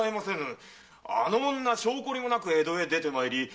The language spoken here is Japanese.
あの女性懲りもなく江戸へ出てまいり